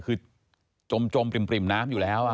คือจมปริ่มน้ำอยู่แล้ว